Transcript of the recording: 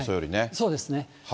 そうですね。